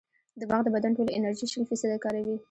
دماغ د بدن ټولې انرژي شل فیصده کاروي.